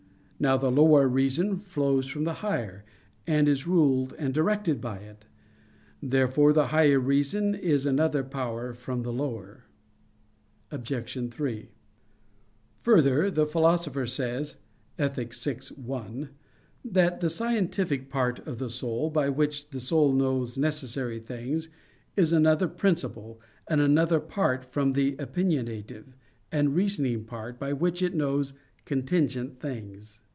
Now, the lower reason flows from the higher, and is ruled and directed by it. Therefore the higher reason is another power from the lower. Obj. 3: Further, the Philosopher says (Ethic. vi, 1) that "the scientific part" of the soul, by which the soul knows necessary things, is another principle, and another part from the "opinionative" and "reasoning" part by which it knows contingent things.